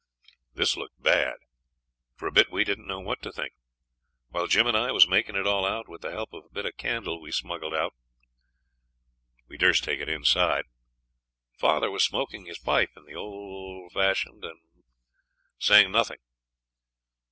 This looked bad; for a bit we didn't know what to think. While Jim and I was makin' it all out, with the help of a bit of candle we smuggled out we dursn't take it inside father was smokin' his pipe in the old fashion and saying nothing.